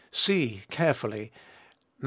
(See, carefully, Matt.